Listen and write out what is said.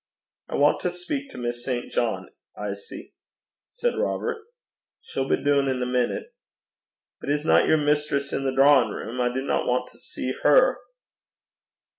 'I want to speak to Miss St. John, Isie,' said Robert. 'She'll be doon in a minit.' 'But isna yer mistress i' the drawin' room? I dinna want to see her.'